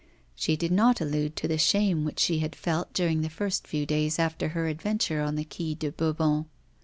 She did not allude to the shame which she had felt during the first few days after her adventure on the Quai de Bourbon.